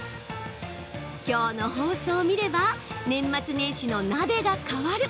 きょうの放送を見れば年末年始の鍋が変わる。